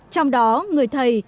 trong đó người thầy